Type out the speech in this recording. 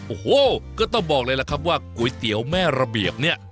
โอ้โหก็ต้องบอกเลยล่ะครับว่าก๋วยเตี๋ยวแม่ระเบียบเนี่ย